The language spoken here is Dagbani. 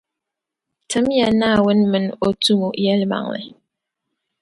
Tim ya Naawuni mini O tumo yεlimaŋli.